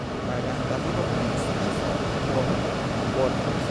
Vaganta vivo komenciĝis por Borrhaus.